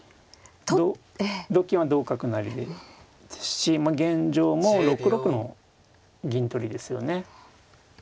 同金は同角成ですし現状も６六の銀取りですよね。